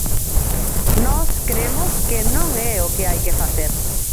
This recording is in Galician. Nós cremos que non é o que hai que facer.